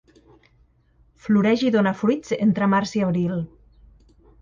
Floreix i dóna fruits entre març i abril.